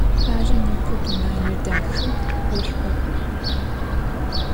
Ары, непэ дунаир дахэ, ошӏу.